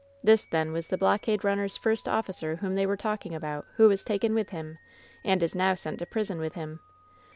This, then was the blockade runner's first officer whom they were talking about, who was taken with him, and is now sent to prison with him!